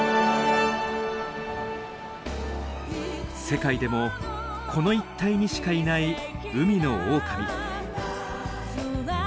世界でもこの一帯にしかいない海のオオカミ。